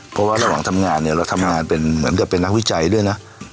เพราะว่าระหว่างทำงานเนี่ยเราทำงานเป็นเหมือนกับเป็นนักวิจัยด้วยนะ